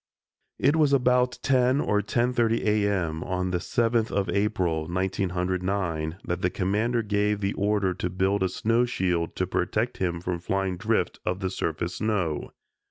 It was about ten or ten thirty A. M., on the 7th of April, 1909, that the Commander gave the order to build a snow shield to protect him from the flying drift of the surface snow.